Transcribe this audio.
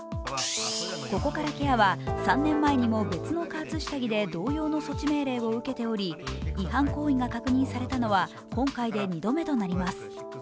ココカラケアは、３年前にも別の加圧下着で同様の措置命令を受けており、違反行為が確認されたのは今回で２度目となります。